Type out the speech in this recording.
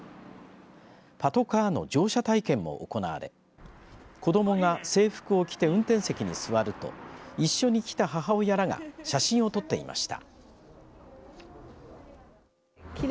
パトカーの乗車体験も行われ子どもが制服を着て運転席に座ると一緒に来た母親らが写真を撮っていました。